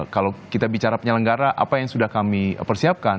kalau kita bicara penyelenggara apa yang sudah kami persiapkan